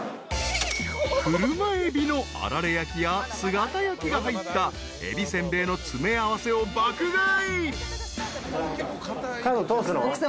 ［クルマエビのあられ焼きや姿焼きが入ったえび煎餅の詰め合わせを爆買い］